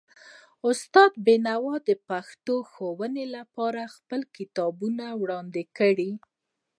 استاد بینوا د پښتو ښوونې لپاره خپل کتابونه وړاندې کړل.